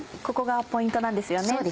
ここがポイントなんですよね。